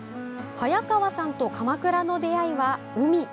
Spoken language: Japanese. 早川さんと、鎌倉の出会いは海。